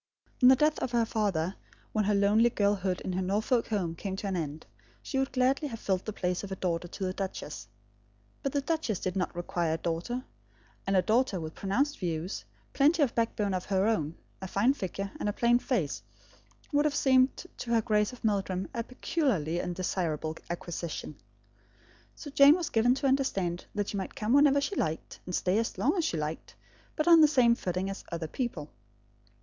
On the death of her father, when her lonely girlhood in her Norfolk home came to an end, she would gladly have filled the place of a daughter to the duchess. But the duchess did not require a daughter; and a daughter with pronounced views, plenty of back bone of her own, a fine figure, and a plain face, would have seemed to her Grace of Meldrum a peculiarly undesirable acquisition. So Jane was given to understand that she might come whenever she liked, and stay as long as she liked, but on the same footing as other people.